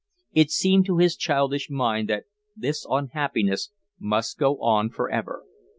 It seemed to his childish mind that this unhappiness must go on for ever.